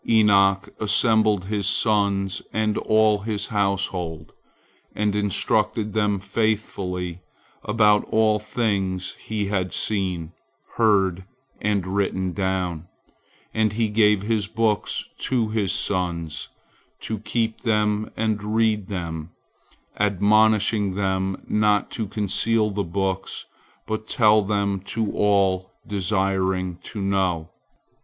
Enoch assembled his sons and all his household, and instructed them faithfully about all things he had seen, heard, and written down, and he gave his books to his sons, to keep them and read them, admonishing them not to conceal the books, but tell them to all desiring to know.